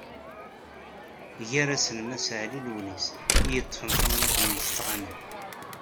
Gar-asen Mass Ɛli Lewnis i yeṭṭfen tamnaḍt n Mestɣanem.